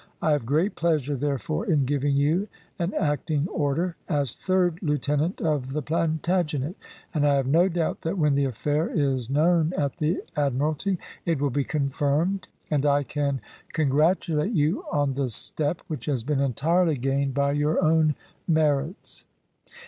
"I have great pleasure, therefore, in giving you an acting order as Third Lieutenant of the Plantagenet; and I have no doubt that when the affair is known at the Admiralty, it will be confirmed; and I can congratulate you on the step, which has been entirely gained by your own merits."